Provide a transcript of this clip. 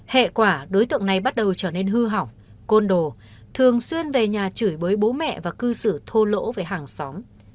hệ quả đối tượng này bắt đầu trở nên hư hỏng côn đồ thường xuyên về nhà chửi bới bố mẹ và cư xử thô lỗ về hàng xóm